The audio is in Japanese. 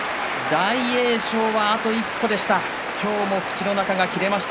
大栄翔は、あと一歩でした。